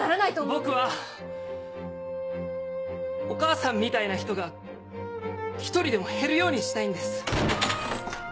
僕はお母さんみたいな人が１人でも減るようにしたいんです。